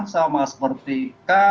sama seperti k